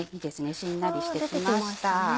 しんなりして来ました。